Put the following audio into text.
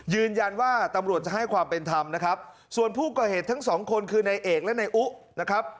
ยืนยันว่าตำรวจจะให้ความเป็นธรรมนะครับส่วนผู้ก่อเหตุทั้งสองคนคือนายเอกและนายอุนะครับ